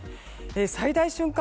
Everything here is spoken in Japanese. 最大瞬間